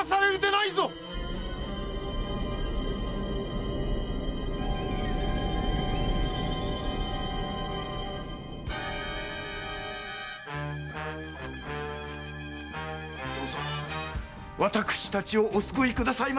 どうぞ私たちをお救いくださいませ！